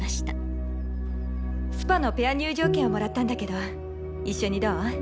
スパのペア入場券をもらったんだけど一緒にどう？